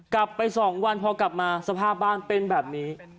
กลับไป๒วันพอกลับมาสภาพบ้านเป็นแบบนี้